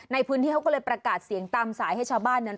ในพื้นที่เขาก็เลยประกาศเสียงตามสายให้ชาวบ้านนั้น